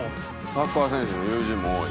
「サッカー選手の友人も多い？」